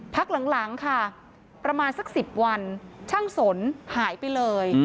พักหลังค่ะประมาณสัก๑๐วันช่างสนหายไปเลย